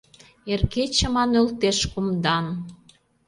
Эр кече ма нöлтеш кумдан –